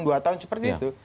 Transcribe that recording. dua tahun seperti itu